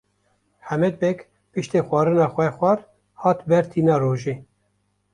Hemed Beg piştî xwarina xwe xwar hate ber tîna rojê.